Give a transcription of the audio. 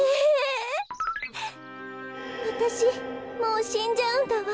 わたしもうしんじゃうんだわ。